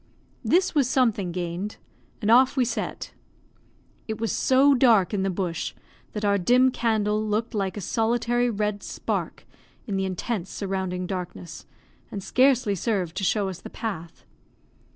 This was something gained, and off we set. It was so dark in the bush, that our dim candle looked like a solitary red spark in the intense surrounding darkness, and scarcely served to show us the path.